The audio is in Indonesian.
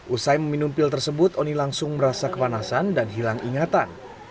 usai meminum pil tersebut oni langsung merasa kepanasan dan hilang ingatan